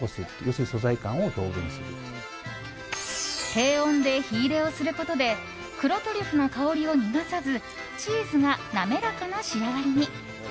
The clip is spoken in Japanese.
低温で火入れをすることで黒トリュフの香りを逃がさずチーズが滑らかな仕上がりに。